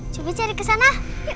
coba cari kesana